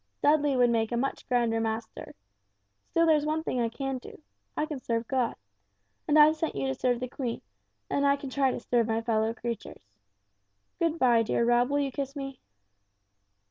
Dudley would make a much grander master. Still there's one thing I can do. I can serve God and I've sent you to serve the Queen, and I can try to serve my fellow creatures. Good bye, dear Rob, will you kiss me."